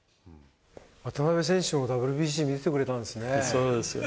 渡邊選手もＷＢＣ、見てくれそうですよ。